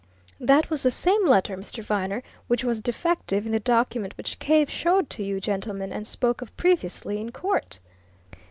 That was the same letter, Mr. Viner, which was defective in the document which Cave showed to you gentlemen and spoke of previously in court!"